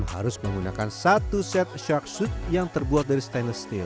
harus menggunakan satu set sharksuit yang terbuat dari stainless steel